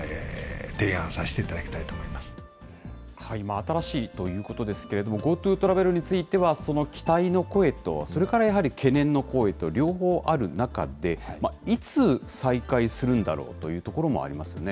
新しいということですけれども、ＧｏＴｏトラベルについては、その期待の声と、それからやはり懸念の声と両方ある中で、いつ再開するんだろうというところもありますよね。